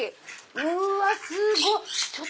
うわすごい！